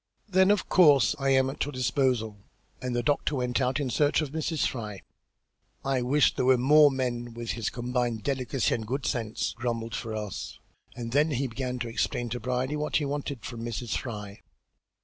"Then of course I am at your disposal," and the doctor went out in search of Mrs. Fry. "I wish there were more men with his combined delicacy and good sense," grumbled Ferrars, and then he began to explain to Brierly what was wanted from Mrs. Fry.